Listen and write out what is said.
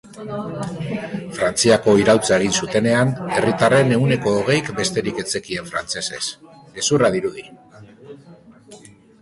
Frantziako iraultza egin zutenean, herritarren ehuneko hogeik besterik ez zekien frantsesez... gezurra dirudi!